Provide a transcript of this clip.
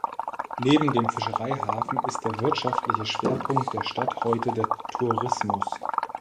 Neben dem Fischereihafen ist der wirtschaftliche Schwerpunkt der Stadt heute der Tourismus.